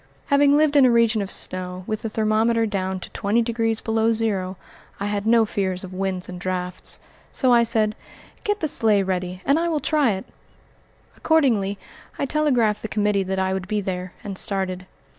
Having lived in a region of snow, with the thermometer down to twenty degrees below zero, I had no fears of winds and drifts, so I said, "Get the sleigh ready and I will try it." Accordingly I telegraphed the committee that I would be there, and started.